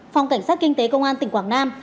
phòng cảnh sát kinh tế công an tỉnh quảng nam